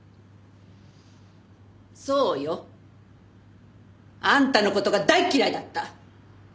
そうよ。あんたの事が大嫌いだった。